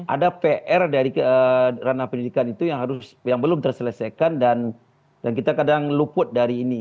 ada pr dari ranah pendidikan itu yang harus yang belum terselesaikan dan kita kadang luput dari ini